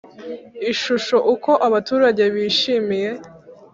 Ishusho Uko abaturage bishimiye